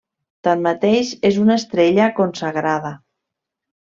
Tanmateix, és una estrella consagrada.